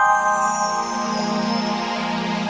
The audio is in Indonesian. pada enam oktober dua ribu tujuh belas